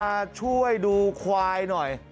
มาช่วยดูควายหน่อย